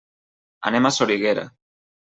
Anem a Soriguera.